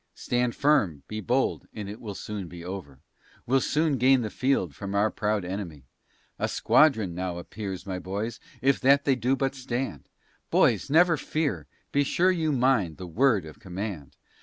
Stand firm, be bold, and it will soon be over; We'll soon gain the field from our proud enemy. A squadron now appears, my boys; If that they do but stand! Boys, never fear, be sure you mind The word of command!